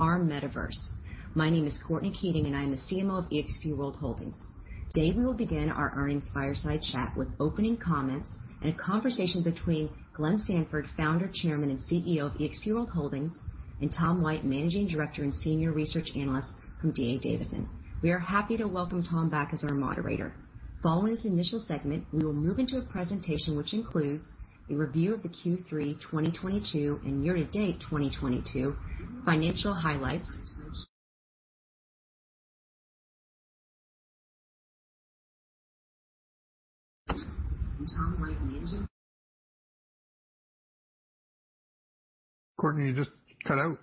Our Metaverse. My name is Courtney Keating, and I am the CMO of eXp World Holdings. Today, we will begin our earnings fireside chat with opening comments and a conversation between Glenn Sanford, Founder, Chairman, and CEO of eXp World Holdings, and Tom White, Managing Director and Senior Research Analyst from D.A. Davidson. We are happy to welcome Tom back as our moderator. Following this initial segment, we will move into a presentation which includes a review of the Q3 2022 and year-to-date 2022 financial highlights. Tom White, managing- Courtney, you just cut out.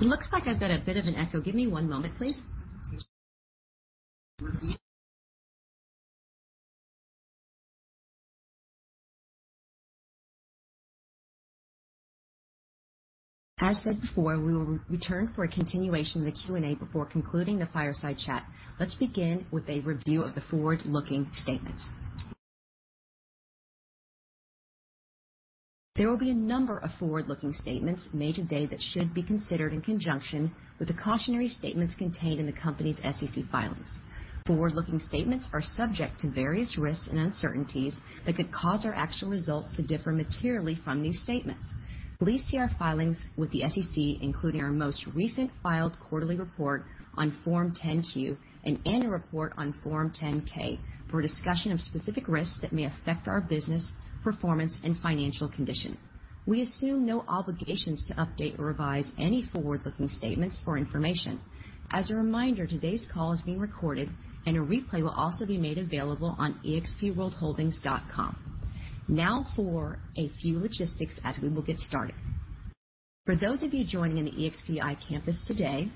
It looks like I've got a bit of an echo. Give me one moment, please. As said before, we will return for a continuation of the Q&A before concluding the fireside chat. Let's begin with a review of the forward-looking statements. There will be a number of forward-looking statements made today that should be considered in conjunction with the cautionary statements contained in the company's SEC filings. Forward-looking statements are subject to various risks and uncertainties that could cause our actual results to differ materially from these statements. Please see our filings with the SEC, including our most recent filed quarterly report on Form 10-Q and annual report on Form 10-K for a discussion of specific risks that may affect our business, performance, and financial condition. We assume no obligations to update or revise any forward-looking statements or information. As a reminder, today's call is being recorded, and a replay will also be made available on expworldholdings.com. Now for a few logistics as we will get started. For those of you joining in the eXp Campus today,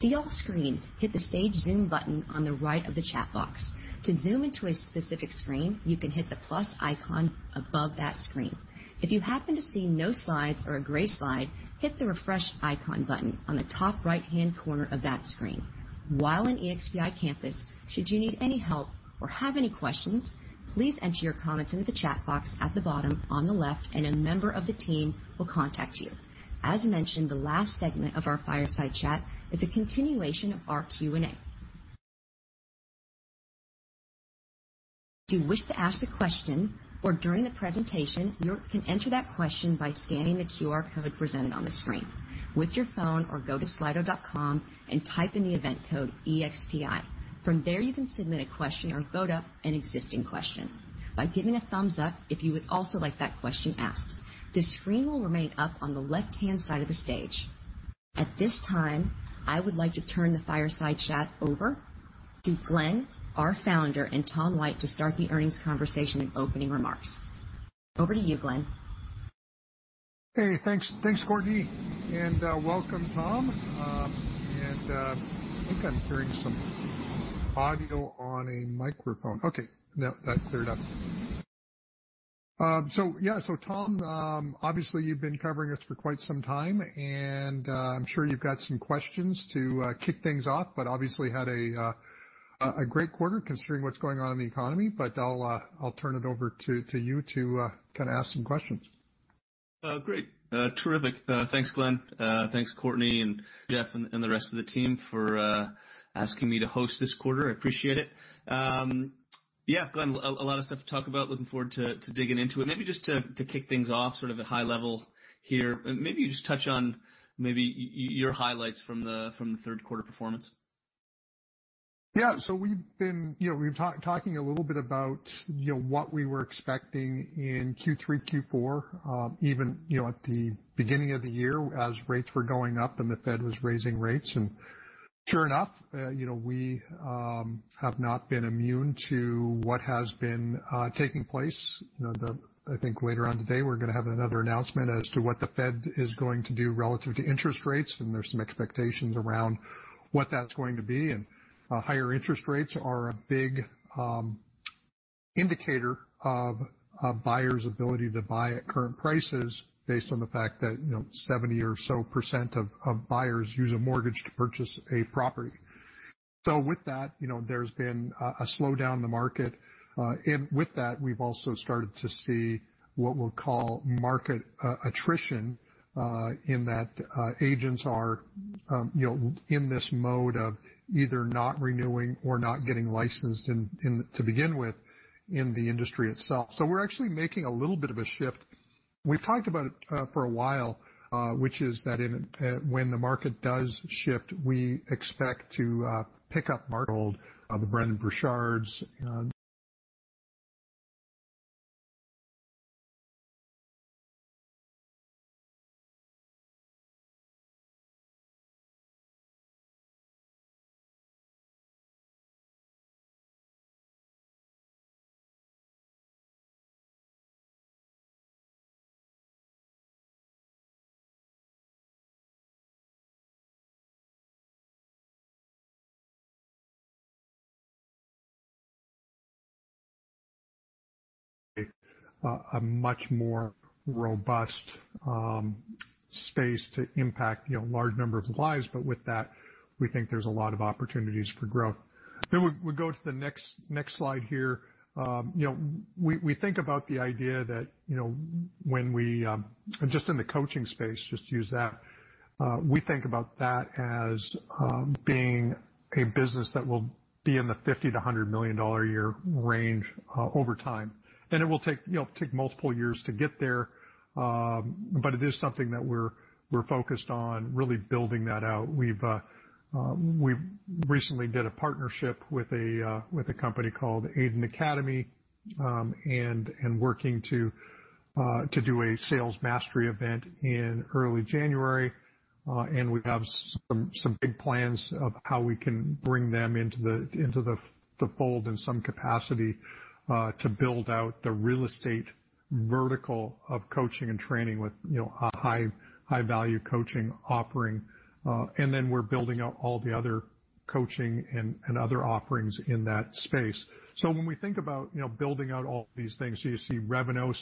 see all screens. Hit the Stage Zoom button on the right of the chat box. To zoom into a specific screen, you can hit the plus icon above that screen. If you happen to see no slides or a gray slide, hit the refresh icon button on the top right-hand corner of that screen. While in eXp Campus, should you need any help or have any questions, please enter your comments into the chat box at the bottom on the left, and a member of the team will contact you. As mentioned, the last segment of our fireside chat is a continuation of our Q&A. If you wish to ask a question, or during the presentation, you can enter that question by scanning the QR code presented on the screen with your phone or go to slido.com and type in the event code EXPI. From there, you can submit a question or vote up an existing question by giving a thumbs up if you would also like that question asked. This screen will remain up on the left-hand side of the stage. At this time, I would like to turn the fireside chat over to Glenn, our founder, and Tom White to start the earnings conversation and opening remarks. Over to you, Glenn. Hey, thanks. Thanks, Courtney. Welcome, Tom. I think I'm hearing some audio on a microphone. Okay. No, that cleared up. Tom, obviously you've been covering us for quite some time, and I'm sure you've got some questions to kick things off, but obviously had a great quarter considering what's going on in the economy. I'll turn it over to you to kinda ask some questions. Great. Terrific. Thanks, Glenn. Thanks, Courtney and Jeff and the rest of the team for asking me to host this quarter. I appreciate it. Yeah, Glenn, a lot of stuff to talk about. Looking forward to digging into it. Maybe just to kick things off sort of at high level here, maybe you just touch on maybe your highlights from the third quarter performance. Yeah. We've been talking a little bit about what we were expecting in Q3, Q4, even at the beginning of the year as rates were going up and the Fed was raising rates. Sure enough, we have not been immune to what has been taking place. I think later on today we're gonna have another announcement as to what the Fed is going to do relative to interest rates, and there's some expectations around what that's going to be. Higher interest rates are a big indicator of a buyer's ability to buy at current prices based on the fact that 70% or so of buyers use a mortgage to purchase a property. With that, there's been a slowdown in the market. And with that, we've also started to see what we'll call market attrition in that agents are, you know, in this mode of either not renewing or not getting licensed in to begin within the industry itself. We're actually making a little bit of a shift. We've talked about it for a while, which is that when the market does shift, we expect to pick up market of the Brendon Burchard's a much more robust space to impact, you know, large number of lives. With that, we think there's a lot of opportunities for growth. We go to the next slide here. You know, we think about the idea that, you know, when we just in the coaching space, just to use that, we think about that as being a business that will be in the $50-$100 million a year range over time. It will take you know multiple years to get there. But it is something that we're focused on really building that out. We recently did a partnership with a company called Agent Academy, and working to do a sales mastery event in early January. We have some big plans of how we can bring them into the fold in some capacity to build out the real estate vertical of coaching and training with, you know, a high-value coaching offering. We're building out all the other coaching and other offerings in that space. When we think about, you know, building out all these things, you see Revenos,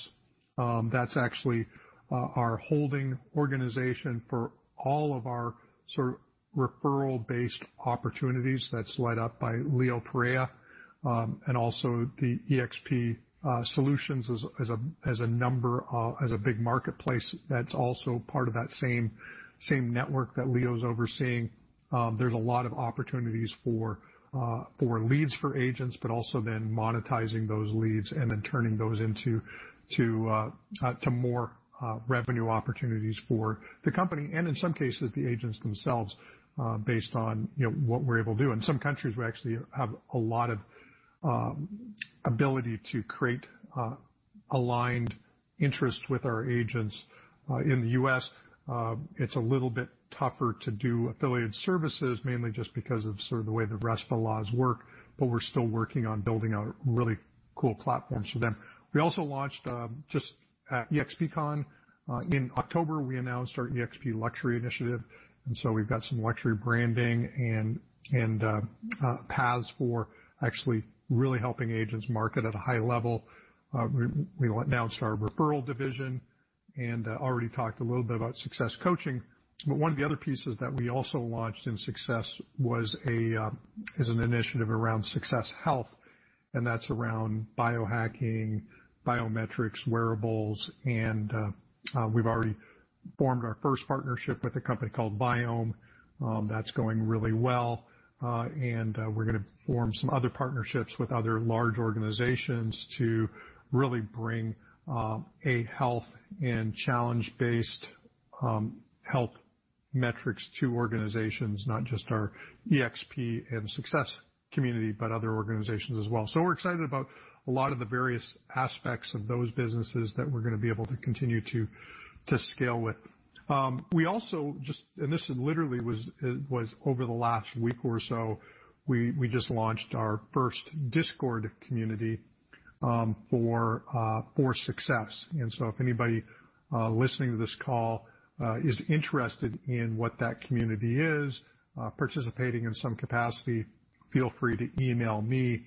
that's actually our holding organization for all of our sort of referral-based opportunities that's led by Leo Pareja. Also, the eXp Solutions as a big marketplace that's also part of that same network that Leo's overseeing. There's a lot of opportunities for leads for agents, but also then monetizing those leads and then turning those into more revenue opportunities for the company and in some cases, the agents themselves, based on you know what we're able to do. In some countries, we actually have a lot of ability to create aligned interests with our agents. In the U.S., it's a little bit tougher to do affiliate services, mainly just because of sort of the way the RESPA laws work, but we're still working on building out really cool platforms for them. We also launched just at eXpcon in October, we announced our eXp Luxury initiative, and so we've got some luxury branding and paths for actually really helping agents' market at a high level. We announced our referral division and already talked a little bit about SUCCESS Coaching. One of the other pieces that we also launched in SUCCESS was, a is an initiative around SUCCESS Health, and that's around biohacking, biometrics, wearables, and we've already formed our first partnership with a company called Biome. That's going really well. We're gonna form some other partnerships with other large organizations to really bring a health and challenge-based health metrics to organizations, not just our eXp and SUCCESS community, but other organizations as well. We're excited about a lot of the various aspects of those businesses that we're gonna be able to continue to scale with. We also just launched our first Discord community for SUCCESS. If anybody listening to this call is interested in what that community is, participating in some capacity, feel free to email me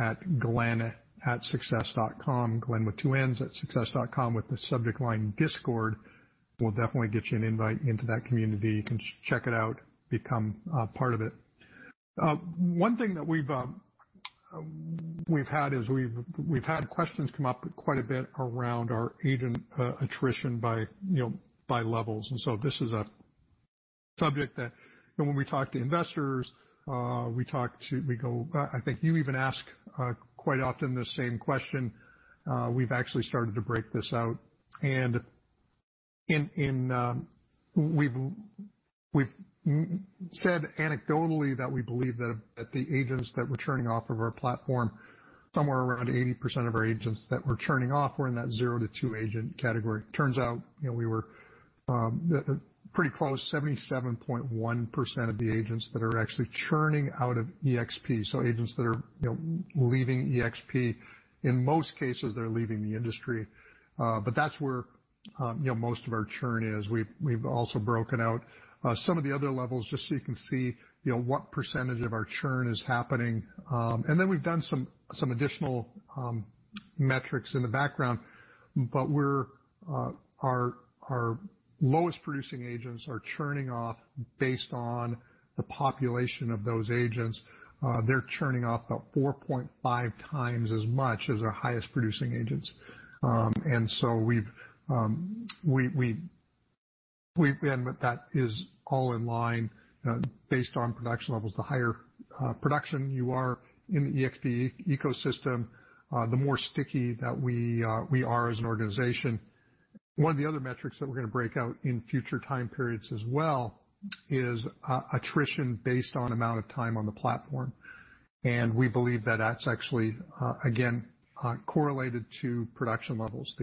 at glenn@success.com, Glenn with two N's, @success.com, with the subject line Discord. We'll definitely get you an invite into that community. You can check it out, become part of it. One thing that we've had is we've had questions come up quite a bit around our agent attrition by, you know, by levels. This is a subject that when we talk to investors, I think you even ask quite often the same question. We've actually started to break this out. We've said anecdotally that we believe that the agents that were churning off of our platform, somewhere around 80% of our agents that were churning off were in that zero-two agent category. Turns out, you know, we were pretty close, 77.1% of the agents that are actually churning out of eXp, so agents that are, you know, leaving eXp, in most cases, they're leaving the industry. But that's where, you know, most of our churn is. We've also broken out some of the other levels just so you can see, you know, what percentage of our churn is happening. We've done some additional metrics in the background, but our lowest producing agents are churning off based on the population of those agents. They're churning off about 4.5x as much as our highest producing agents. That is all in line, based on production levels. The higher production you are in the eXp ecosystem, the more sticky that we are as an organization. One of the other metrics that we're gonna break out in future time periods as well is attrition based on amount of time on the platform. We believe that that's actually again correlated to production levels.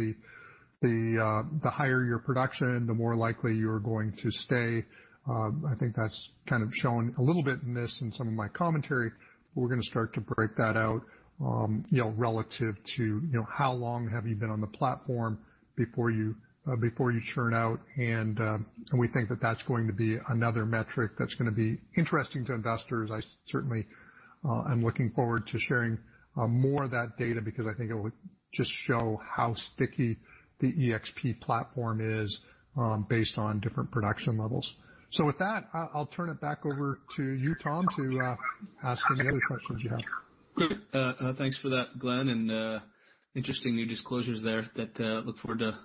The higher your production, the more likely you're going to stay. I think that's kind of shown a little bit in this in some of my commentary, but we're gonna start to break that out, you know, relative to, you know, how long have you been on the platform before you churn out. We think that that's going to be another metric that's gonna be interesting to investors. I'm looking forward to sharing more of that data because I think it would just show how sticky the eXp platform is, based on different production levels. With that, I'll turn it back over to you, Tom, to ask any other questions you have. Great. Thanks for that, Glenn, and interesting new disclosures there that look forward to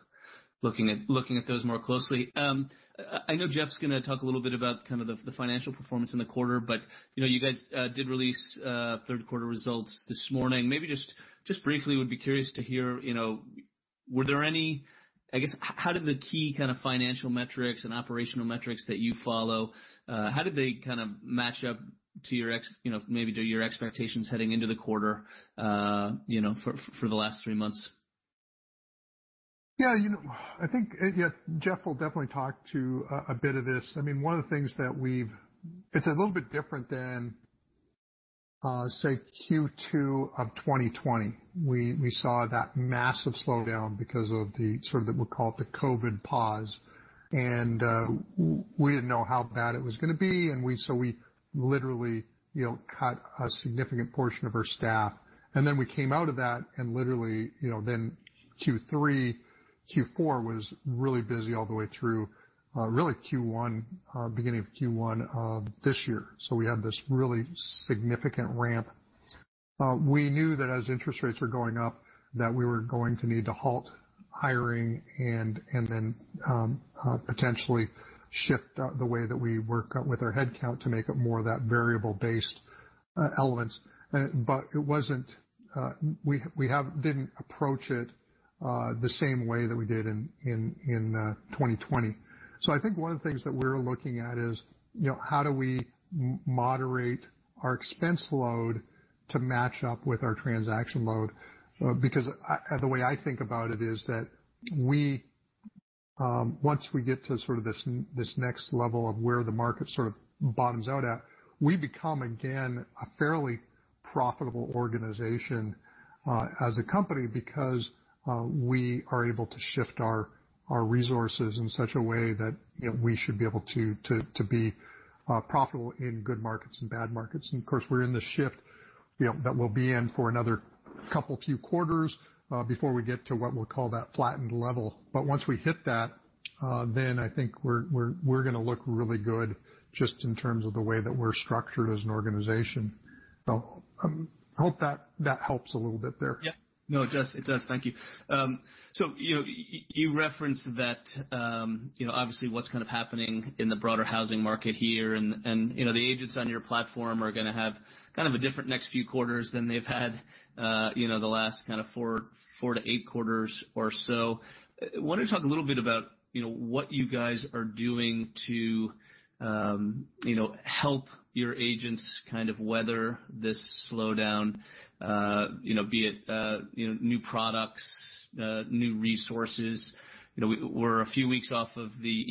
looking at those more closely. I know Jeff's gonna talk a little bit about kind of the financial performance in the quarter, but you know, you guys did release third quarter results this morning. Maybe briefly I would be curious to hear, you know, how did the key kind of financial metrics and operational metrics that you follow kind of match up to your expectations heading into the quarter, you know, for the last three months? Yeah. You know, I think Jeff will definitely talk to a bit of this. I mean, one of the things that we've. It's a little bit different than say, Q2 of 2020. We saw that massive slowdown because of the sort of, we'll call it, the COVID pause. We didn't know how bad it was gonna be, so we literally, you know, cut a significant portion of our staff. Then we came out of that and literally, you know, then Q3, Q4 was really busy all the way through, really Q1, beginning of Q1 of this year. We had this really significant ramp. We knew that as interest rates are going up, that we were going to need to halt hiring and then potentially shift the way that we work with our headcount to make it more of that variable-based elements. But we didn't approach it the same way that we did in 2020. I think one of the things that we're looking at is, you know, how do we moderate our expense load to match up with our transaction load? Because the way I think about it is that we, once we get to sort of this next level of where the market sort of bottoms out at, we become again a fairly profitable organization, as a company because we are able to shift our resources in such a way that, you know, we should be able to be profitable in good markets and bad markets. Of course, we're in this shift, you know, that we'll be in for another couple few quarters, before we get to what we'll call that flattened level. Once we hit that, then I think we're gonna look really good just in terms of the way that we're structured as an organization. Hope that helps a little bit there. Yeah. No, it does. Thank you. So, you know, you reference that, you know, obviously what's kind of happening in the broader housing market here, and, you know, the agents on your platform are gonna have kind of a different next few quarters than they've had, you know, the last kind of four to eight quarters or so. Wanted to talk a little bit about, you know, what you guys are doing to, you know, help your agents kind of weather this slowdown, you know, be it, you know, new products, new resources. You know, we're a few weeks off of the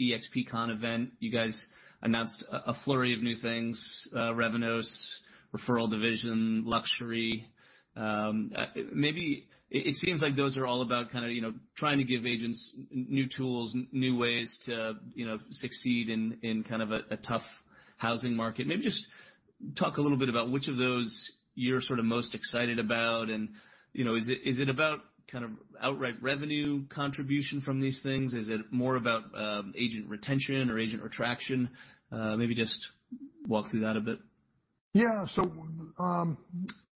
eXpcon event. You guys announced a flurry of new things, Revenos, referral division, luxury. Maybe. It seems like those are all about kind of, you know, trying to give agents new tools, new ways to, you know, succeed in kind of a tough housing market. Maybe just talk a little bit about which of those you're sort of most excited about, and, you know, is it about kind of outright revenue contribution from these things? Is it more about agent retention or agent attraction? Maybe just walk through that a bit. Yeah.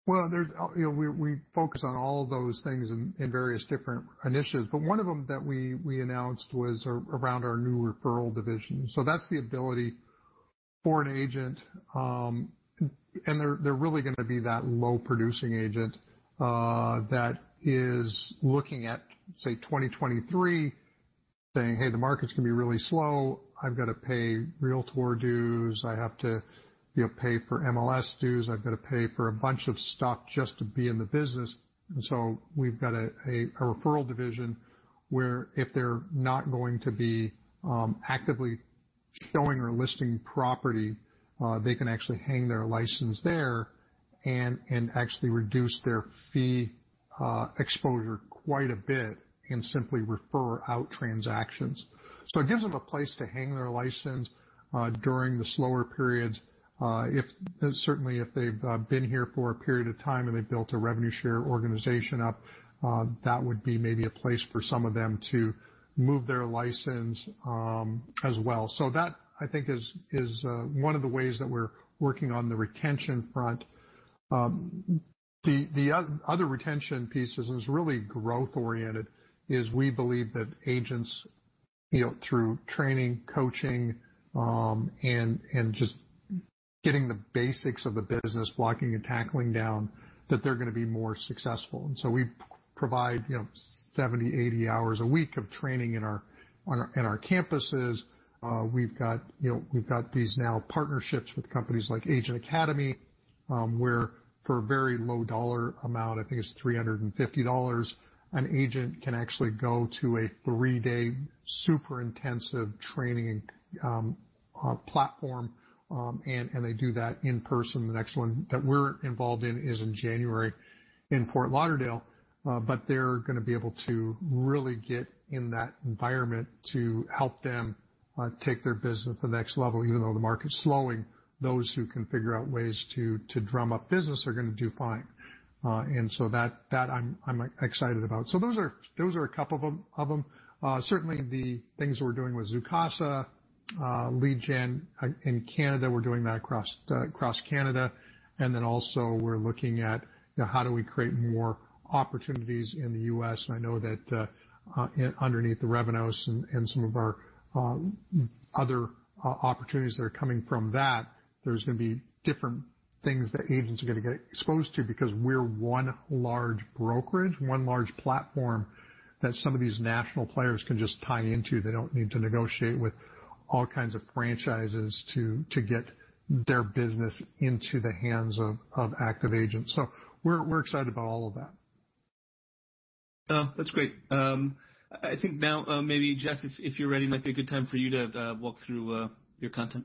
Well, there's, you know, we focus on all of those things in various different initiatives. One of them that we announced was around our new referral division. That's the ability for an agent, and they're really gonna be that low-producing agent, that is looking at, say, 2023, saying, "Hey, the market's gonna be really slow. I've got to pay Realtor dues. I have to, you know, pay for MLS dues. I've got to pay for a bunch of stuff just to be in the business." We've got a referral division where if they're not going to be actively showing or listing property, they can actually hang their license there and actually reduce their fee exposure quite a bit and simply refer out transactions. It gives them a place to hang their license during the slower periods. Certainly, if they've been here for a period of time and they've built a revenue share organization up, that would be maybe a place for some of them to move their license as well. That, I think, is one of the ways that we're working on the retention front. The other retention piece is really growth oriented. We believe that agents, you know, through training, coaching and just getting the basics of the business, blocking and tackling down, that they're gonna be more successful. We provide, you know, 70-80 hours a week of training in our campuses. We've got, you know, these new partnerships with companies like Agent Academy, where for a very low dollar amount, I think it's $350, an agent can actually go to a three-day super intensive training platform, and they do that in person. The next one that we're involved in is in January in Fort Lauderdale. But they're gonna be able to really get in that environment to help them take their business to the next level. Even though the market is slowing, those who can figure out ways to drum up business are gonna do fine. So that I'm excited about. So those are a couple of them. Certainly, the things we're doing with Zoocasa, lead gen in Canada, we're doing that across Canada. We're looking at, you know, how do we create more opportunities in the U.S. I know that underneath the revenues and some of our other opportunities that are coming from that, there's gonna be different things that agents are gonna get exposed to because we're one large brokerage, one large platform that some of these national players can just tie into. They don't need to negotiate with all kinds of franchises to get their business into the hands of active agents. We're excited about all of that. Oh, that's great. I think now, maybe Jeff, if you're ready, might be a good time for you to walk through your content.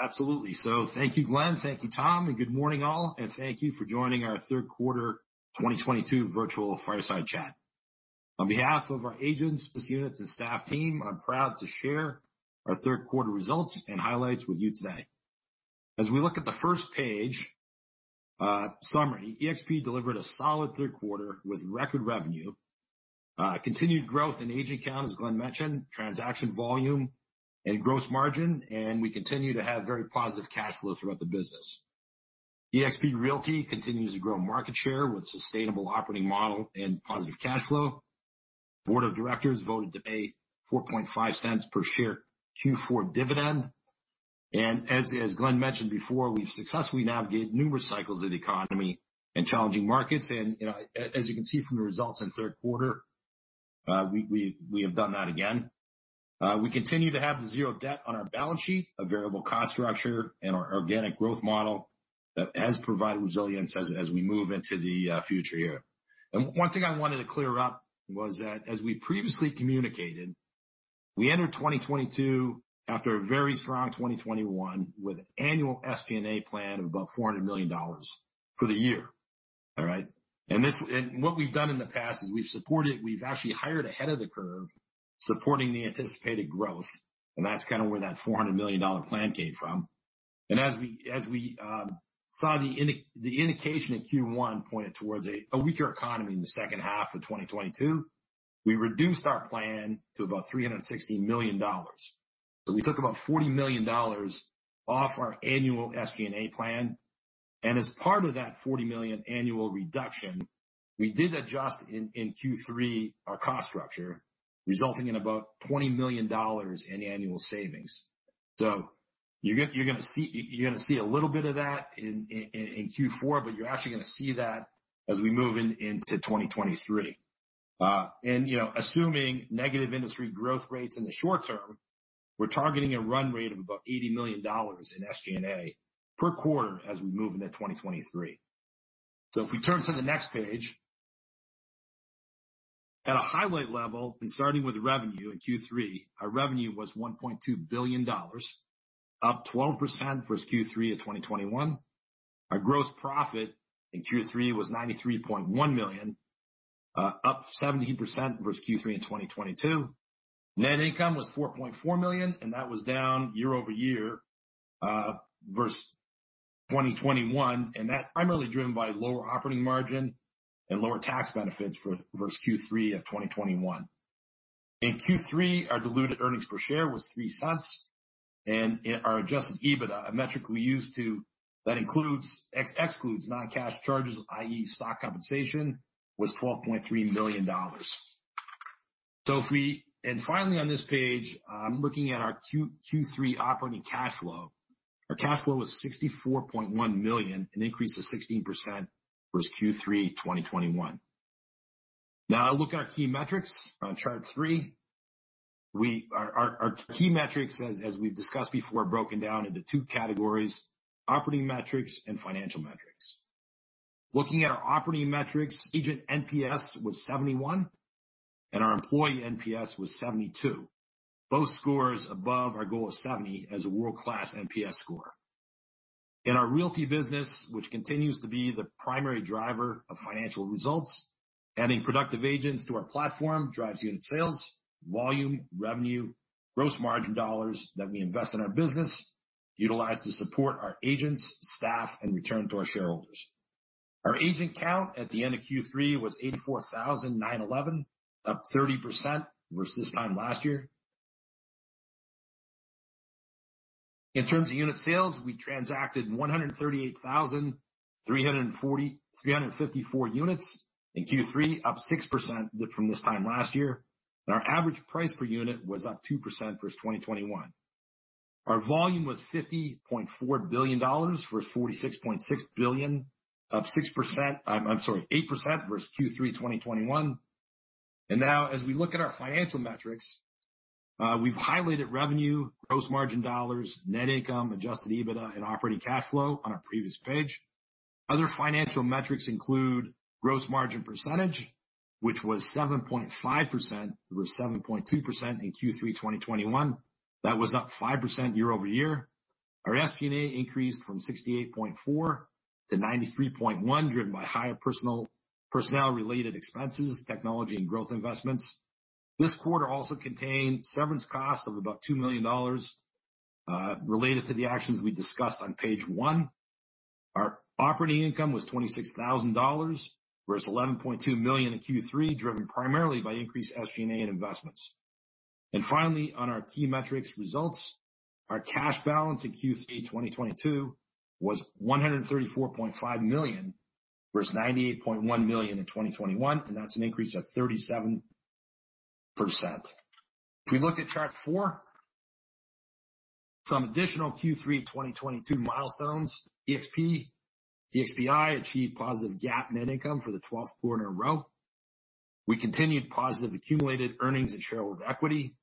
Absolutely. Thank you, Glenn. Thank you, Tom, and good morning, all. Thank you for joining our third quarter 2022 virtual fireside chat. On behalf of our agents, business units, and staff team, I'm proud to share our third quarter results and highlights with you today. As we look at the first page, summary, eXp delivered a solid third quarter with record revenue, continued growth in agent count, as Glenn mentioned, transaction volume and gross margin, and we continue to have very positive cash flow throughout the business. eXp Realty continues to grow market share with sustainable operating model and positive cash flow. Board of directors voted to pay $0.045 per share Q4 dividend. As Glenn mentioned before, we've successfully navigated numerous cycles of the economy and challenging markets. You know, as you can see from the results in third quarter, we have done that again. We continue to have zero debt on our balance sheet, a variable cost structure and our organic growth model that has provided resilience as we move into the future year. One thing I wanted to clear up was that as we previously communicated, we entered 2022 after a very strong 2021 with annual SG&A plan of about $400 million for the year. All right. What we've done in the past is we've supported, we've actually hired ahead of the curve, supporting the anticipated growth, and that's kind of where that $400 million plan came from. We saw the indication in Q1 pointed towards a weaker economy in the second half of 2022, we reduced our plan to about $360 million. We took about $40 million off our annual SG&A plan. As part of that $40 million annual reduction, we did adjust in Q3 our cost structure, resulting in about $20 million in annual savings. You're gonna see a little bit of that in Q4, but you're actually gonna see that as we move into 2023. You know, assuming negative industry growth rates in the short term, we're targeting a run rate of about $80 million in SG&A per quarter as we move into 2023. If we turn to the next page. At a highlight level and starting with revenue in Q3, our revenue was $1.2 billion, up 12% first Q3 of 2021. Our gross profit in Q3 was $93.1 million, up 17% growth Q3 in 2021. Net income was $4.4 million, and that was down year-over-year growth 2021. That primarily driven by lower operating margin and lower tax benefits growth Q3 of 2021. In Q3, our diluted earnings per share was $0.03, and our adjusted EBITDA, a metric we use that excludes non-cash charges, i.e., stock compensation, was $12.3 million. Finally, on this page, looking at our Q3 operating cash flow, our cash flow was $64.1 million, an increase of 16% growth Q3 2021. Now a look at our key metrics on chart three. Our key metrics as we've discussed before are broken down into two categories, operating metrics and financial metrics. Looking at our operating metrics, agent NPS was 71 and our employee NPS was 72. Both scores above our goal of 70 as a world-class NPS score. In our realty business, which continues to be the primary driver of financial results, adding productive agents to our platform drives unit sales, volume, revenue, gross margin dollars that we invest in our business, utilized to support our agents, staff, and return to our shareholders. Our agent count at the end of Q3 was 84,911, up 30% versus this time last year. In terms of unit sales, we transacted 138,354 units in Q3, up 6% from this time last year. Our average price per unit was up 2% versus 2021. Our volume was $50.4 billion versus $46.6 billion, up 6%. I'm sorry, 8% growth Q3 2021. Now as we look at our financial metrics, we've highlighted revenue, gross margin dollars, net income, adjusted EBITDA, and operating cash flow on our previous page. Other financial metrics include gross margin percentage, which was 7.5%, it was 7.2% in Q3 2021. That was up 5% year over year. Our SG&A increased from $68.4 to $93.1, driven by higher personnel related expenses, technology and growth investments. This quarter also contained severance costs of about $2 million, related to the actions we discussed on page 1. Our operating income was $26,000, versus $11.2 million in Q3, driven primarily by increased SG&A and investments. Finally, on our key metrics results, our cash balance in Q3 2022 was $134.5 million, versus $98.1 million in 2021, and that's an increase of 37%. If we look at track 4, some additional Q3 2022 milestones eXp, EXPI achieved positive GAAP net income for the 12th quarter in a row. We continued positive accumulated earnings and shareholder equity.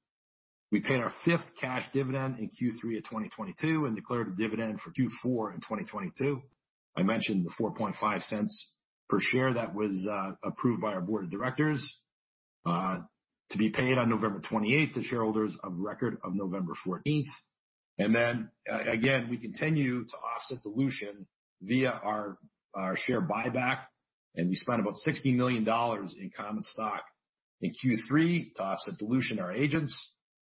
We paid our 5th cash dividend in Q3 of 2022 and declared a dividend for Q4 in 2022. I mentioned the 4.5 cents per share that was approved by our board of directors to be paid on November twenty-eighth to shareholders of record of November fourteenth. Then again, we continue to offset dilution via our share buyback, and we spent about $60 million in common stock in Q3 to offset dilution our agents.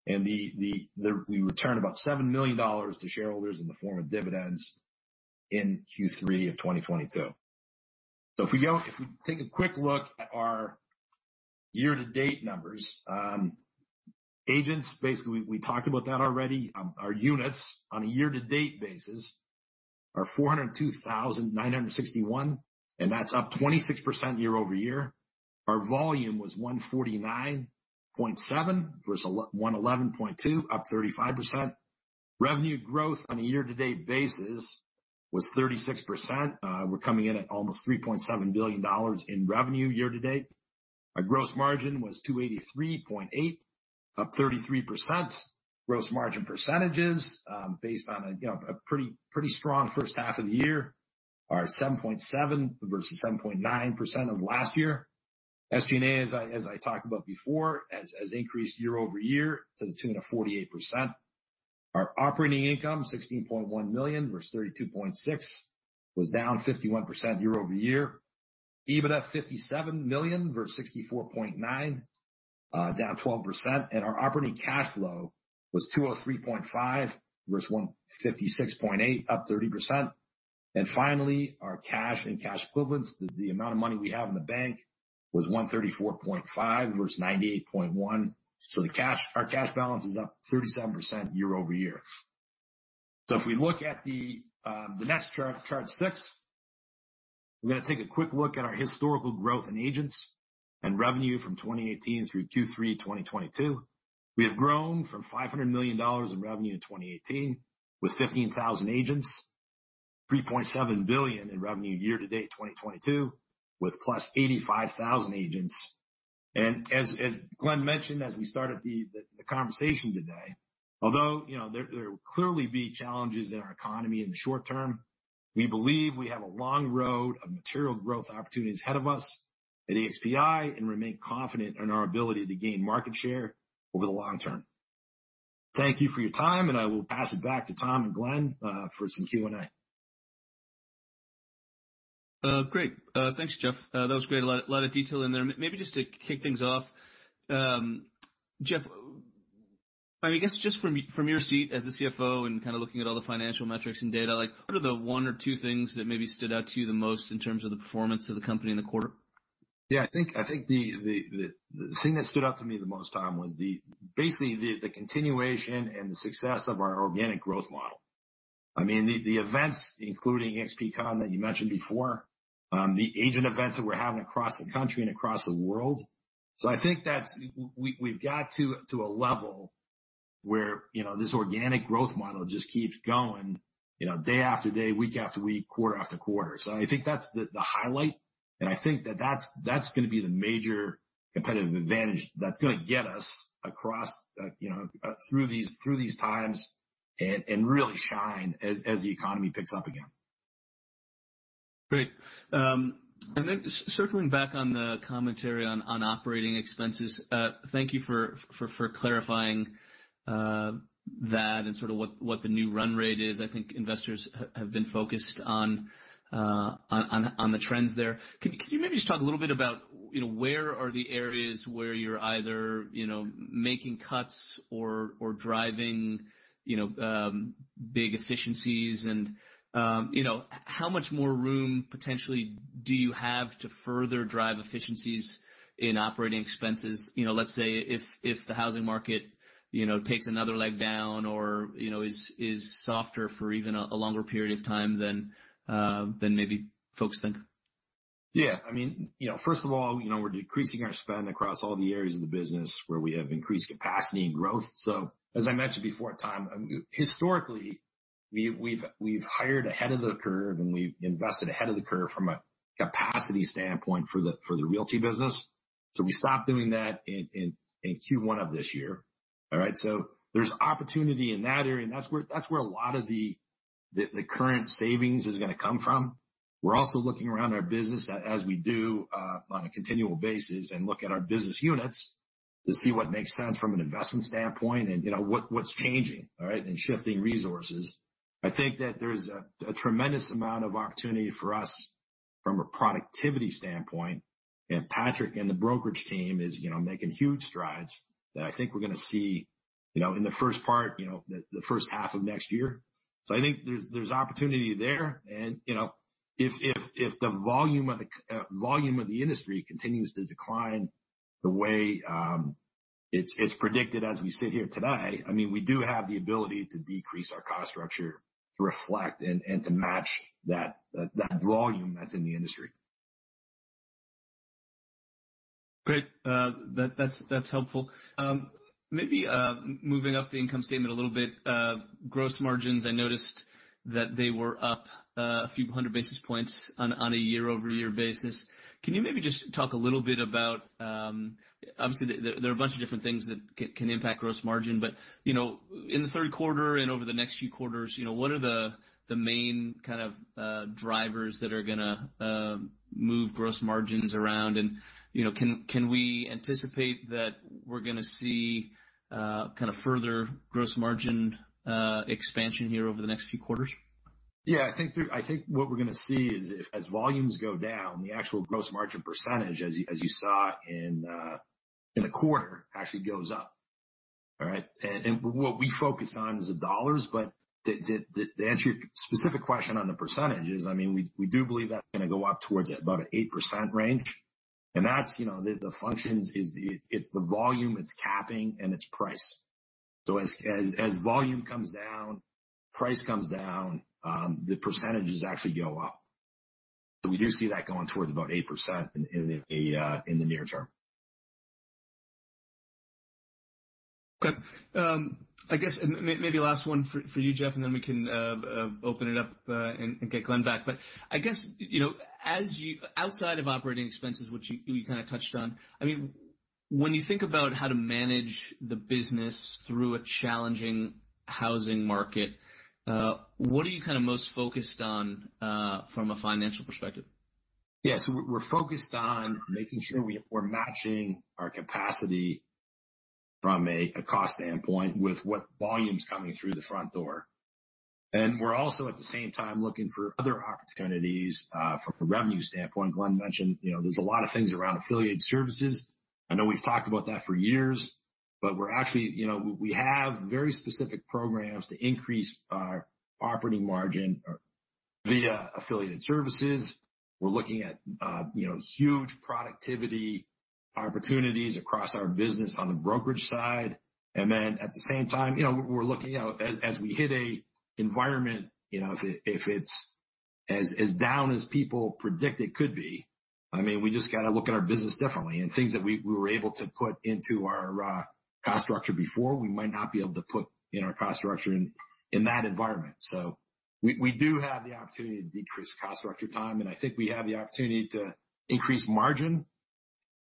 We returned about $7 million to shareholders in the form of dividends in Q3 of 2022. If we take a quick look at our year-to-date numbers, agents, basically, we talked about that already. Our units on a year-to-date basis are 402,961, and that's up 26% year-over-year. Our volume was 149.7 versus 111.2, up 35%. Revenue growth on a year-to-date basis was 36%. We're coming in at almost $3.7 billion in revenue year to date. Our gross margin was $283.8, up 33%. Gross margin percentages based on, you know, a pretty strong first half of the year are 7.7% versus 7.9% of last year. SG&A, as I talked about before, has increased year-over-year to the tune of 48%. Our operating income, $16.1 million versus $32.6, was down 51% year-over-year. EBITDA, $57 million versus $64.9, down 12%. Our operating cash flow was $203.5 versus $156.8, up 30%. Finally, our cash and cash equivalents, the amount of money we have in the bank was $134.5 versus $98.1. The cash, our cash balance is up 37% year over year. If we look at the next chart six, we're gonna take a quick look at our historical growth in agents and revenue from 2018 through Q3 2022. We have grown from $500 million in revenue in 2018 with 15,000 agents, $3.7 billion in revenue year to date 2022 with +85,000 agents. As Glenn mentioned, as we started the conversation today, although, you know, there will clearly be challenges in our economy in the short term, we believe we have a long road of material growth opportunities ahead of us at EXPI and remain confident in our ability to gain market share over the long term. Thank you for your time, and I will pass it back to Tom and Glenn for some Q&A. Great. Thanks, Jeff. That was great. A lot of detail in there. Maybe just to kick things off, Jeff, I mean, I guess just from your seat as the CFO and kind of looking at all the financial metrics and data, like what are the one or two things that maybe stood out to you the most in terms of the performance of the company in the quarter? Yeah, I think the thing that stood out to me the most, Tom, was basically the continuation and the success of our organic growth model. I mean, the events, including eXpcon that you mentioned before, the agent events that we're having across the country and across the world. I think that's we've got to a level where, you know, this organic growth model just keeps going, you know, day after day, week after week, quarter after quarter. I think that's the highlight, and I think that's gonna be the major competitive advantage that's gonna get us across, you know, through these times and really shine as the economy picks up again. Great. Circling back on the commentary on operating expenses, thank you for clarifying that and sort of what the new run rate is. I think investors have been focused on the trends there. Could you maybe just talk a little bit about, you know, where are the areas where you're either, you know, making cuts or driving, you know, big efficiencies and, you know, how much more room potentially do you have to further drive efficiencies in operating expenses? You know, let's say if the housing market, you know, takes another leg down or, you know, is softer for even a longer period of time than maybe folks think. Yeah. I mean, you know, first of all, you know, we're decreasing our spend across all the areas of the business where we have increased capacity and growth. As I mentioned before at times, historically, we've hired ahead of the curve, and we've invested ahead of the curve from a capacity standpoint for the realty business. We stopped doing that in Q1 of this year. All right. There's opportunity in that area, and that's where a lot of the current savings is gonna come from. We're also looking around our business as we do on a continual basis, and look at our business units to see what makes sense from an investment standpoint and, you know, what's changing, all right, and shifting resources. I think that there's a tremendous amount of opportunity for us from a productivity standpoint. Patrick and the brokerage team is making huge strides that I think we're gonna see, you know, in the first half of next year. I think there's opportunity there. You know, if the volume of the industry continues to decline the way it's predicted as we sit here today, I mean, we do have the ability to decrease our cost structure to reflect and to match that volume that's in the industry. Great. That's helpful. Maybe moving up the income statement a little bit, gross margins, I noticed that they were up a few hundred basis points on a year-over-year basis. Can you maybe just talk a little bit about... Obviously, there are a bunch of different things that can impact gross margin, but, you know, in the third quarter and over the next few quarters, you know, what are the main kind of drivers that are gonna move gross margins around? And, you know, can we anticipate that we're gonna see kind of further gross margin expansion here over the next few quarters? Yeah. I think what we're gonna see is if as volumes go down, the actual gross margin percentage, as you saw in the quarter, actually goes up. All right? What we focus on is the dollars, but the answer to your specific question on the percentage is, I mean, we do believe that's gonna go up towards about an 8% range. That's, you know, the functions is it's the volume, it's capping, and it's price. As volume comes down, price comes down, the percentages actually go up. We do see that going towards about 8% in the near term. Okay. I guess maybe last one for you, Jeff, and then we can open it up and get Glenn back. I guess, you know, outside of operating expenses, which you kinda touched on, I mean, when you think about how to manage the business through a challenging housing market, what are you kinda most focused on, from a financial perspective? Yeah. We're focused on making sure we're matching our capacity from a cost standpoint with what volume's coming through the front door. We're also, at the same time, looking for other opportunities from a revenue standpoint. Glenn mentioned, you know, there's a lot of things around affiliated services. I know we've talked about that for years, but we're actually you know, we have very specific programs to increase our operating margin via affiliated services. We're looking at you know, huge productivity opportunities across our business on the brokerage side. Then, at the same time, you know, we're looking you know, as we hit an environment, you know, if it's as down as people predict it could be, I mean, we just gotta look at our business differently. Things that we were able to put into our cost structure before, we might not be able to put in our cost structure in that environment. We do have the opportunity to decrease cost structure, Tom, and I think we have the opportunity to increase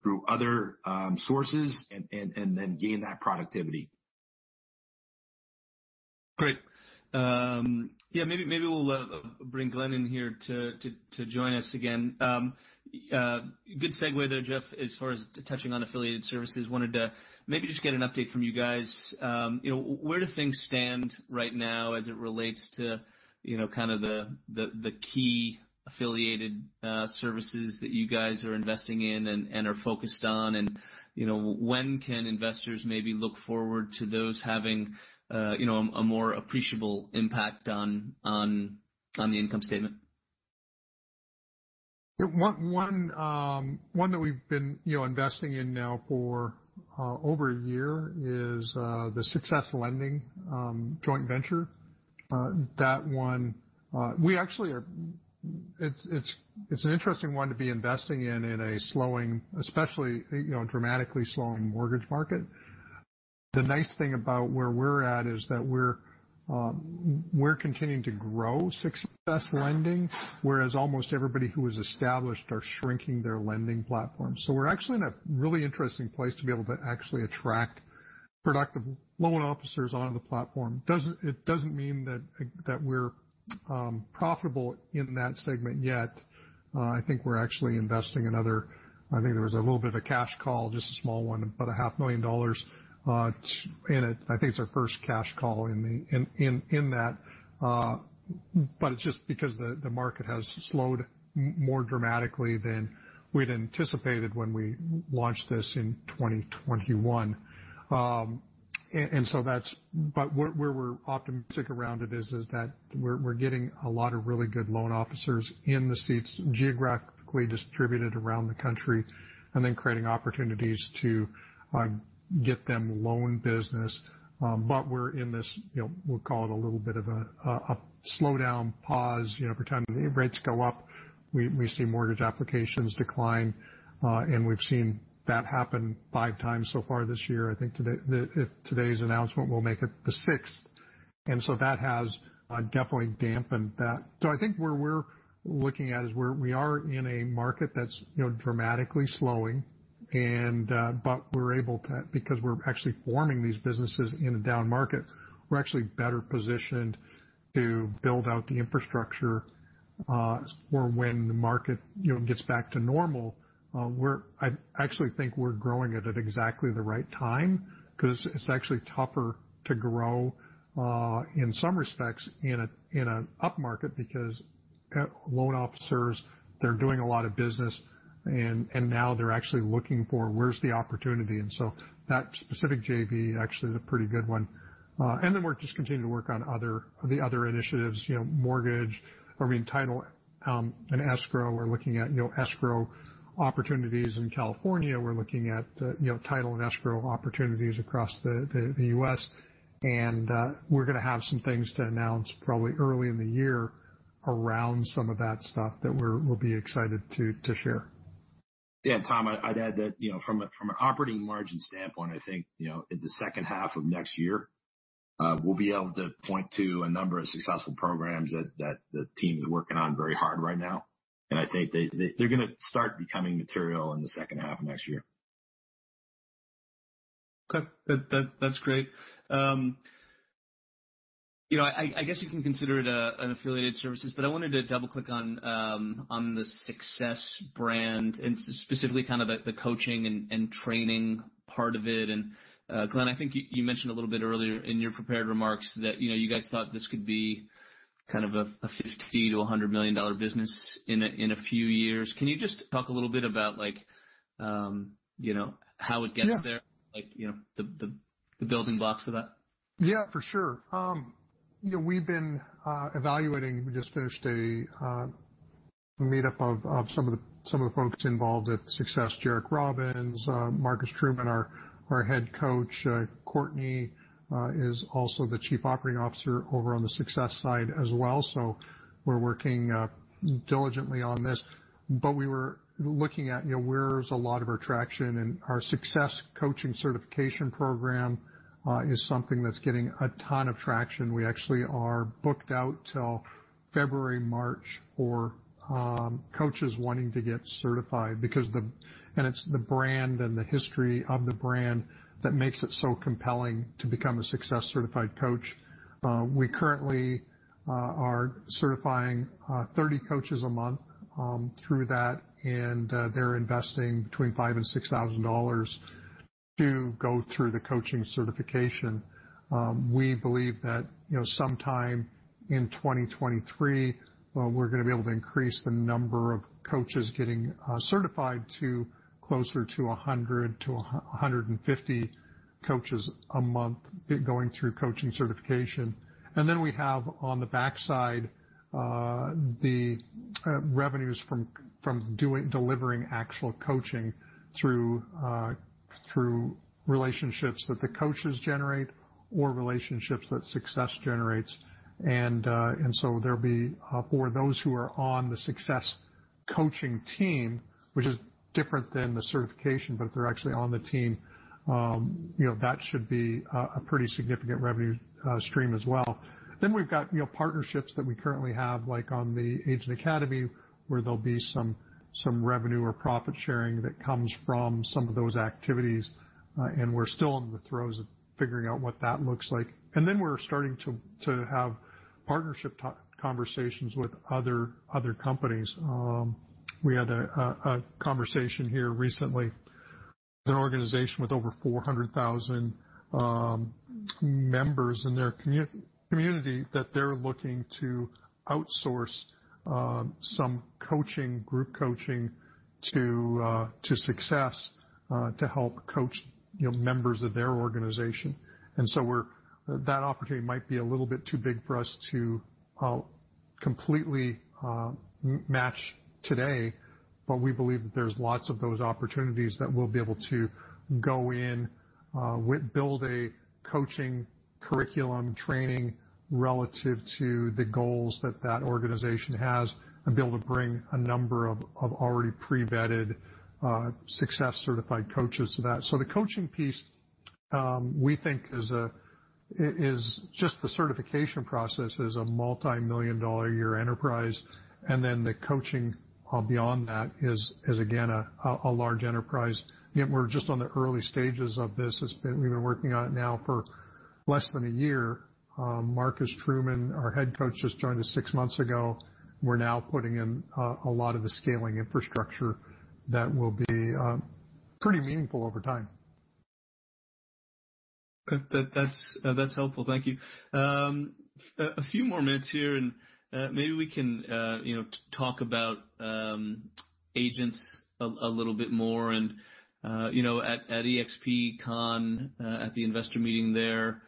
margin through other sources and then gain that productivity. Great. Yeah, maybe we'll bring Glenn in here to join us again. Good segue there, Jeff, as far as touching on affiliated services. Wanted to maybe just get an update from you guys. You know, where do things stand right now as it relates to, you know, kinda the key affiliated services that you guys are investing in and are focused on? And, you know, when can investors maybe look forward to those having, you know, a more appreciable impact on the income statement? One that we've been, you know, investing in now for over a year is the SUCCESS Lending joint venture. That one, we actually are. It's an interesting one to be investing in in a slowing, especially, you know, dramatically slowing mortgage market. The nice thing about where we're at is that we're continuing to grow SUCCESS Lending, whereas almost everybody who is established are shrinking their lending platform. We're actually in a really interesting place to be able to actually attract productive loan officers onto the platform. It doesn't mean that we're profitable in that segment yet. I think we're actually investing another. I think there was a little bit of a cash call, just a small one, about a half million dollars in it. I think it's our first cash call, but it's just because the market has slowed more dramatically than we'd anticipated when we launched this in 2021. Where we're optimistic around it is that we're getting a lot of really good loan officers in the seats, geographically distributed around the country, and then creating opportunities to get them loan business. We're in this, you know, we'll call it a little bit of a slowdown, pause. You know, every time the rates go up, we see mortgage applications decline. We've seen that happen five times so far this year. I think today's announcement will make it the sixth. That has definitely dampened that. I think where we're looking at is we are in a market that's, you know, dramatically slowing. But we're actually forming these businesses in a down market, we're actually better positioned to build out the infrastructure, for when the market, you know, gets back to normal. I actually think we're growing it at exactly the right time, 'cause it's actually tougher to grow, in some respects in a, in a upmarket because loan officers, they're doing a lot of business, and now they're actually looking for where's the opportunity. That specific JV actually is a pretty good one. And then we're just continuing to work on the other initiatives, you know, I mean, title, and escrow. We're looking at, you know, escrow opportunities in California. We're looking at, you know, title and escrow opportunities across the U.S. We're gonna have some things to announce probably early in the year around some of that stuff that we'll be excited to share. Yeah, Tom, I'd add that, you know, from an operating margin standpoint, I think, you know, in the second half of next year, we'll be able to point to a number of successful programs that the team is working on very hard right now. I think they're gonna start becoming material in the second half of next year. Okay. That's great. You know, I guess you can consider it an affiliated services, but I wanted to double-click on the SUCCESS brand and specifically kind of the coaching and training part of it. Glenn, I think you mentioned a little bit earlier in your prepared remarks that, you know, you guys thought this could be kind of a $50 million-$100 million business in a few years. Can you just talk a little bit about like, you know, how it gets- Yeah. There? Like, you know, the building blocks of that. Yeah, for sure. You know, we've been evaluating. We just finished a meet up of some of the folks involved at SUCCESS, Jairek Robbins, Marcus Truan, our head coach. Courtney is also the chief operating officer over on the SUCCESS side as well. We're working diligently on this. We were looking at, you know, where is a lot of our traction, and our SUCCESS Coaching certification program is something that's getting a ton of traction. We actually are booked out till February, March for coaches wanting to get certified because, and it's the brand and the history of the brand that makes it so compelling to become a SUCCESS Certified Coach. We currently are certifying 30 coaches a month through that, and they're investing between $5,000 and $6,000 to go through the coaching certification. We believe that, you know, sometime in 2023, we're gonna be able to increase the number of coaches getting certified to closer to 100 to 150 coaches a month going through coaching certification. We have on the backside the revenues from delivering actual coaching through relationships that the coaches generate or relationships that Success generates. There'll be for those who are on the Success coaching team, which is different than the certification, but if they're actually on the team, you know, that should be a pretty significant revenue stream as well. We've got, you know, partnerships that we currently have, like on the Agent Academy, where there'll be some revenue or profit sharing that comes from some of those activities. We're still in the throes of figuring out what that looks like. We're starting to have partnership conversations with other companies. We had a conversation here recently with an organization with over 400,000 members in their community that they're looking to outsource some coaching, group coaching to SUCCESS to help coach, you know, members of their organization. That opportunity might be a little bit too big for us to completely match today, but we believe that there's lots of those opportunities that we'll be able to go in, build a coaching curriculum training relative to the goals that that organization has and be able to bring a number of already pre-vetted SUCCESS Certified Coaches to that. The coaching piece, we think is just the certification process is a multimillion-dollar a year enterprise, and then the coaching beyond that is again a large enterprise, yet we're just on the early stages of this. We've been working on it now for less than a year. Marcus Truman, our head coach, just joined us six months ago. We're now putting in a lot of the scaling infrastructure that will be pretty meaningful over time. Good. That's helpful. Thank you. A few more minutes here, and maybe we can, you know, talk about agents a little bit more. You know, at eXpcon, at the investor meeting there,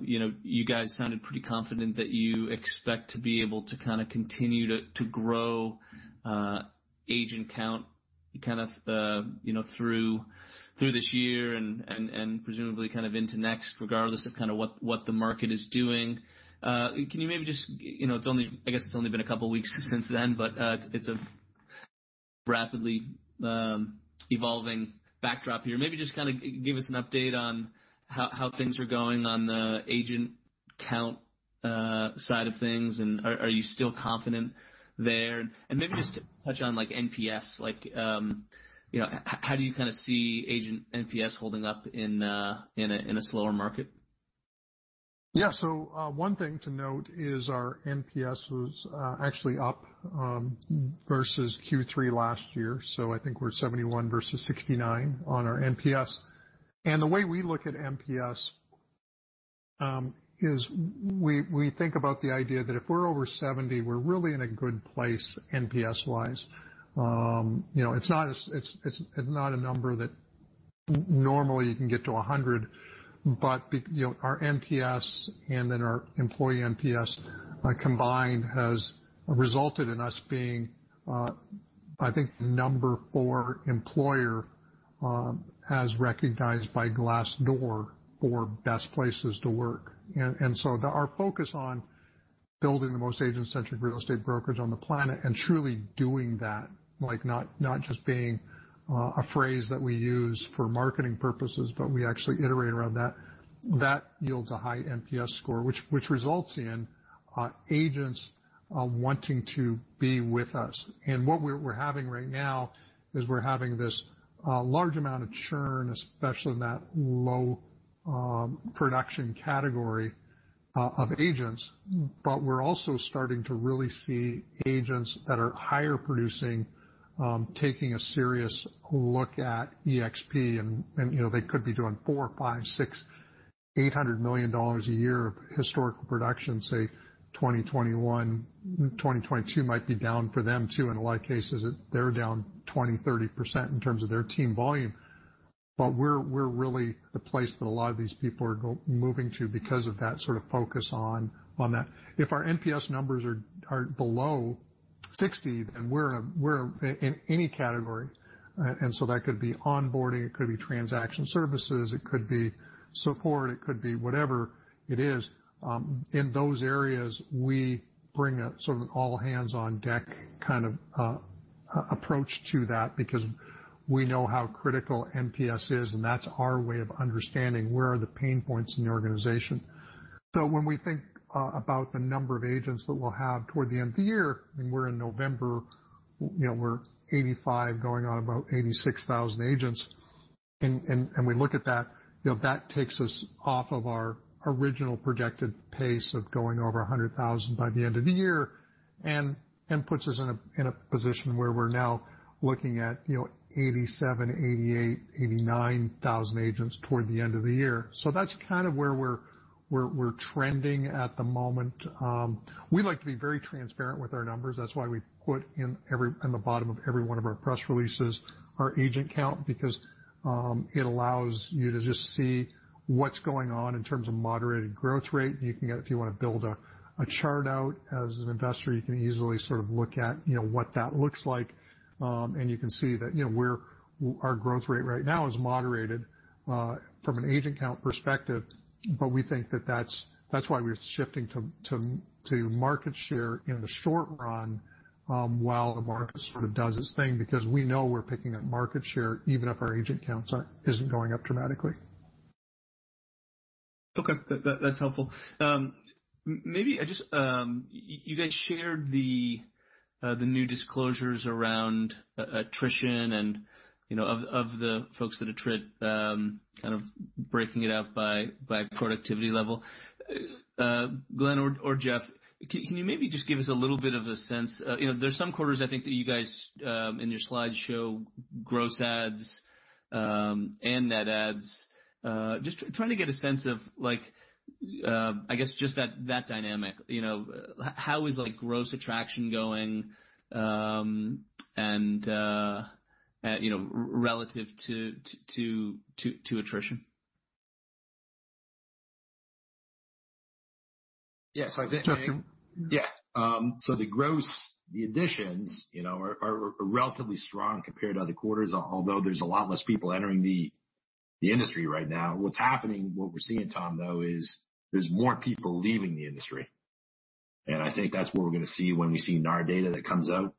you know, you guys sounded pretty confident that you expect to be able to kinda continue to grow agent count, kind of, you know, through this year and presumably kind of into next, regardless of kinda what the market is doing. Can you maybe just you know, it's only, I guess, been a couple of weeks since then, but it's a rapidly evolving backdrop here. Maybe just kinda give us an update on how things are going on the agent count side of things, and are you still confident there? Maybe just touch on like NPS, like, you know, how do you kinda see agent NPS holding up in a slower market? Yeah. One thing to note is our NPS was actually up versus Q3 last year. I think we're 71 versus 69 on our NPS. The way we look at NPS is we think about the idea that if we're over 70, we're really in a good place NPS wise. You know, it's not a number that normally you can get to 100. You know, our NPS and then our employee NPS combined has resulted in us being I think number 4 employer as recognized by Glassdoor for best places to work. Our focus on building the most agent-centric real estate brokerage on the planet and truly doing that, like not just being a phrase that we use for marketing purposes, but we actually iterate around that. That yields a high NPS score, which results in agents wanting to be with us. What we're having right now is we're having this large amount of churn, especially in that low production category of agents. We're also starting to really see agents that are higher producing taking a serious look at eXp. You know, they could be doing $400 million, $500 million, $600 million, $800 million a year of historical production, say 2021. 2022 might be down for them, too, in a lot of cases. They're down 20%, 30% in terms of their team volume. We're really the place that a lot of these people are moving to because of that sort of focus on that. If our NPS numbers are below 60, then we're in any category. That could be onboarding, it could be transaction services, it could be support, it could be whatever it is. In those areas, we bring a sort of all hands-on deck kind of approach to that because we know how critical NPS is, and that's our way of understanding where the pain points are in the organization. When we think about the number of agents that we'll have toward the end of the year, and we're in November, you know, we're 85, going on about 86 thousand agents. We look at that, you know, that takes us off of our original projected pace of going over 100,000 by the end of the year and puts us in a position where we're now looking at, you know, 87,000, 88,000, 89,000 agents toward the end of the year. That's kind of where we're trending at the moment. We like to be very transparent with our numbers. That's why we put in the bottom of every one of our presses releases our agent count, because it allows you to just see what's going on in terms of moderated growth rate. If you wanna build a chart out as an investor, you can easily sort of look at, you know, what that looks like. You can see that, you know, our growth rate right now is moderated from an agent count perspective. We think that that's why we're shifting to market share in the short run while the market sort of does its thing, because we know we're picking up market share even if our agent count isn't going up dramatically. Okay. That's helpful. Maybe I just you guys shared the new disclosures around attrition and, you know, of the folks that attrit, kind of breaking it out by productivity level. Glenn or Jeff, can you maybe just give us a little bit of a sense. You know, there's some quarters I think that you guys in your slideshow, gross adds and net adds. Just trying to get a sense of like, I guess just that dynamic. You know, how is like gross addition going and, you know, relative to attrition? Yeah. Jeff, you Yeah. So the gross additions, you know, are relatively strong compared to other quarters, although there's a lot less people entering the industry right now. What's happening, what we're seeing, Tom, though, is there's more people leaving the industry. I think that's what we're gonna see when we see NAR data that comes out.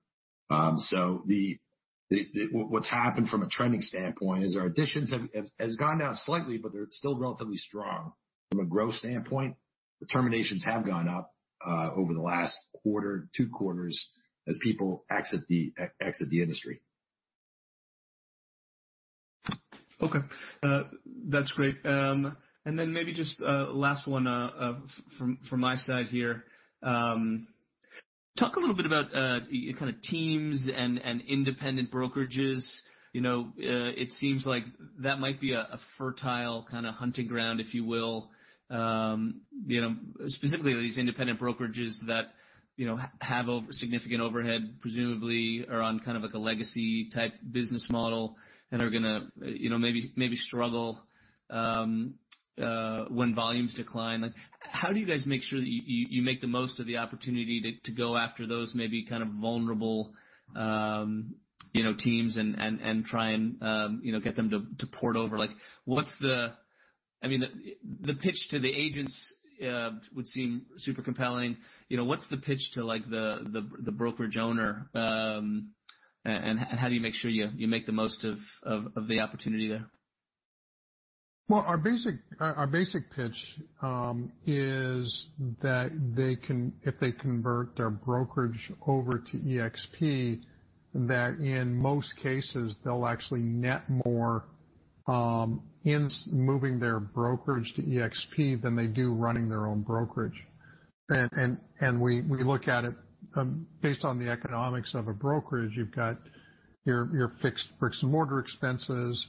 What's happened from a trending standpoint is our additions have gone down slightly, but they're still relatively strong from a growth standpoint. The terminations have gone up over the last quarter, two quarters as people exit the industry. Okay. That's great. And then maybe just last one from my side here. Talk a little bit about kinda teams and independent brokerages. You know, it seems like that might be a fertile kinda hunting ground, if you will. You know, specifically these independent brokerages that have significant overhead, presumably are on kind of like a legacy type business model and are gonna maybe struggle when volumes decline. Like, how do you guys make sure that you make the most of the opportunity to go after those maybe kind of vulnerable teams and try and get them to port over? Like, what's the, I mean, the pitch to the agents would seem super compelling. You know, what's the pitch to like the brokerage owner, and how do you make sure you make the most of the opportunity there? Our basic pitch is that they can if they convert their brokerage over to eXp, that in most cases, they'll actually net more in moving their brokerage to eXp than they do running their own brokerage. We look at it based on the economics of a brokerage. You've got your fixed bricks and mortar expenses,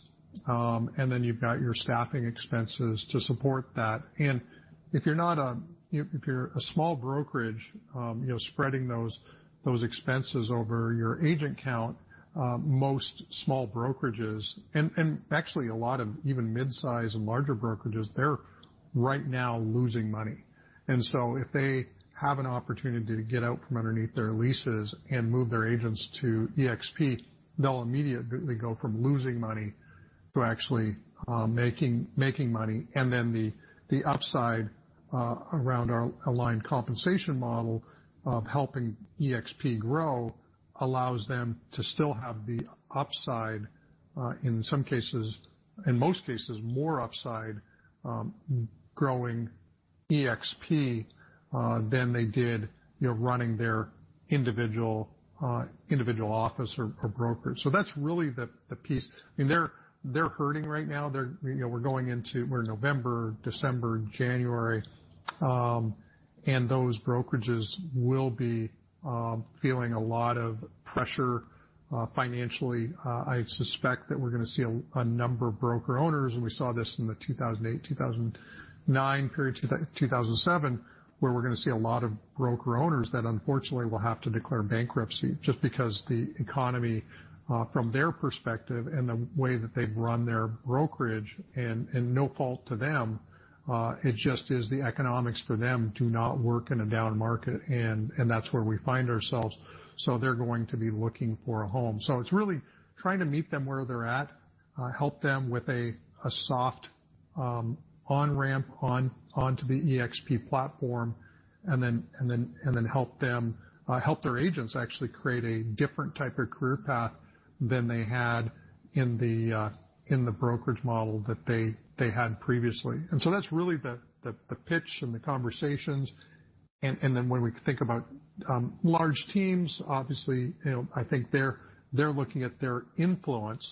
and then you've got your staffing expenses to support that. If you're a small brokerage, you know, spreading those expenses over your agent count, most small brokerages and actually a lot of even mid-size and larger brokerages, they're right now losing money. If they have an opportunity to get out from underneath their leases and move their agents to eXp, they'll immediately go from losing money to actually making money. The upside around our aligned compensation model of helping eXp grow allows them to still have the upside, in some cases, in most cases, more upside growing eXp than they did, you know, running their individual office or brokerage. That's really the piece. I mean, they're hurting right now. There, you know, we're in November, December, January, and those brokerages will be feeling a lot of pressure financially. I suspect that we're gonna see a number of broker owners, and we saw this in the 2008, 2009 period, 2007, where we're gonna see a lot of broker owners that unfortunately will have to declare bankruptcy just because the economy from their perspective and the way that they've run their brokerage and no fault to them, it just is the economics for them do not work in a down market. That's where we find ourselves. They're going to be looking for a home. It's really trying to meet them where they're at, help them with a soft on-ramp onto the eXp platform, and then help them help their agents actually create a different type of career path than they had in the brokerage model that they had previously. That's really the pitch and the conversations. Then when we think about large teams, obviously, you know, I think they're looking at their influence,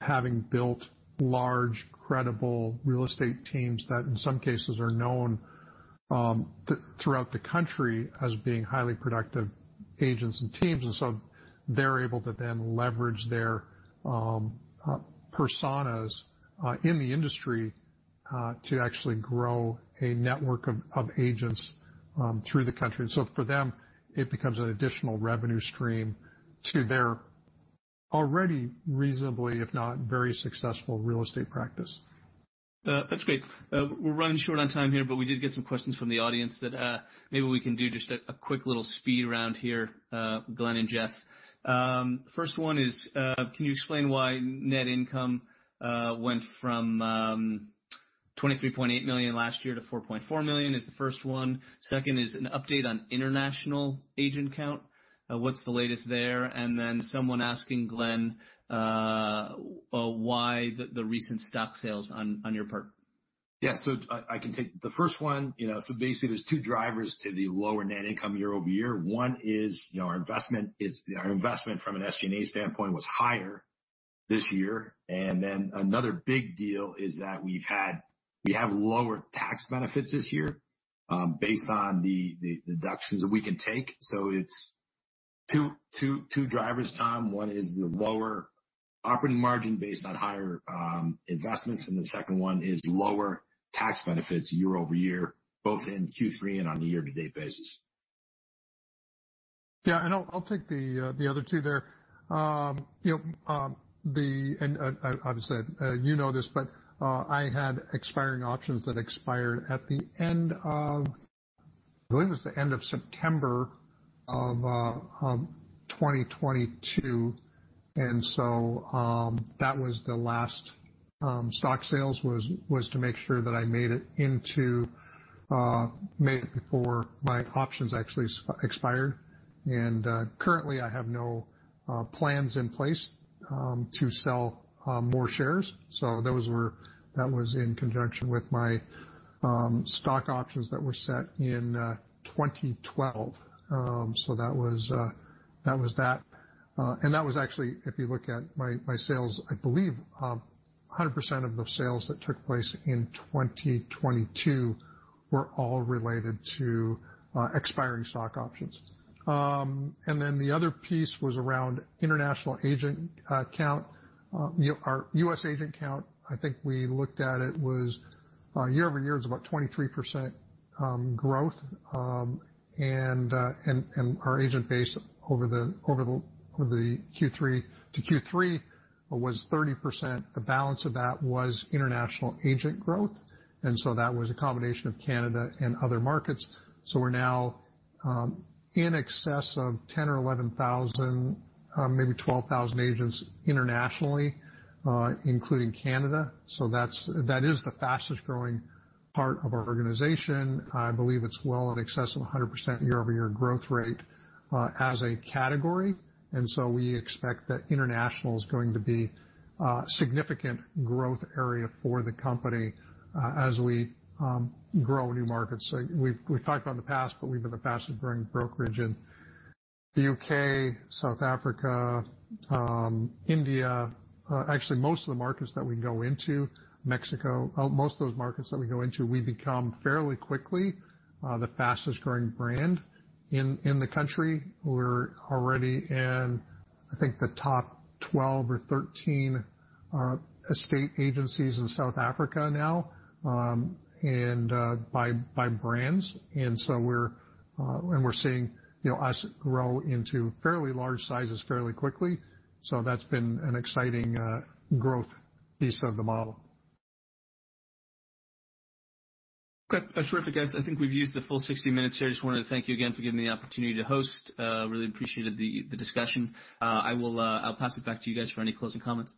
having built large, credible real estate teams that in some cases are known throughout the country as being highly productive agents and teams. They're able to then leverage their personas in the industry to actually grow a network of agents through the country. For them, it becomes an additional revenue stream to their already reasonably, if not very successful real estate practice. That's great. We're running short on time here, but we did get some questions from the audience that maybe we can do just a quick little speed round here, Glenn and Jeff. First one is, can you explain why net income went from $23.8 million last year to $4.4 million? Is the first one. Second is an update on international agent count. What's the latest there? Someone asking Glenn why the recent stock sales on your part. Yeah. I can take the first one. You know, so basically there's two drivers to the lower net income year-over-year. One is, you know, our investment from an SG&A standpoint was higher this year. Another big deal is that we have lower tax benefits this year, based on the deductions that we can take. It's two drivers, Tom. One is the lower operating margin based on higher investments, and the second one is lower tax benefits year-over-year, both in Q3 and on a year-to-date basis. Yeah. I'll take the other two there. You know this, but I had expiring options that expired at the end of, I believe it was the end of September of 2022. That was the last stock sales was to make sure that I made it before my options actually expired. Currently, I have no plans in place to sell more shares. That was in conjunction with my stock options that were set in 2012. That was that. That was actually, if you look at my sales, I believe 100% of the sales that took place in 2022 were all related to expiring stock options. Then the other piece was around international agent count. Our U.S. agent count, I think we looked at it, was year-over-year about 23% growth. Our agent base over the Q3 to Q3 was 30%. The balance of that was international agent growth. That was a combination of Canada and other markets. We're now in excess of 10 or 11 thousand, maybe 12,000 agents internationally, including Canada. That's the fastest growing part of our organization. I believe it's well in excess of 100% year-over-year growth rate as a category. We expect that international is going to be a significant growth area for the company as we grow new markets. We've talked about in the past, but we've been the fastest growing brokerage in the UK, South Africa, India. Actually, most of the markets that we go into, Mexico. Most of those markets that we go into, we become fairly quickly the fastest growing brand in the country. We're already in I think the top 12 or 13 estate agencies in South Africa now, and by brands. We're seeing you know us grow into fairly large sizes fairly quickly. That's been an exciting growth piece of the model. Okay. Terrific, guys. I think we've used the full 60 minutes here. I just wanted to thank you again for giving me the opportunity to host. Really appreciated the discussion. I'll pass it back to you guys for any closing comments.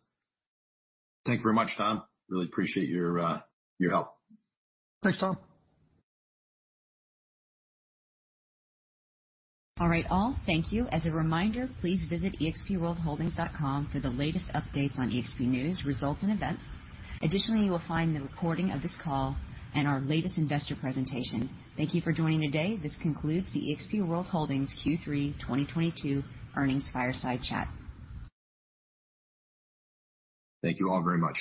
Thank you very much, Tom. Really appreciate your help. Thanks, Tom. All right, all. Thank you. As a reminder, please visit expholdings.com for the latest updates on eXp news, results, and events. Additionally, you will find the recording of this call and our latest investor presentation. Thank you for joining today. This concludes the eXp World Holdings Q3 2022 Earnings Fireside Chat. Thank you all very much.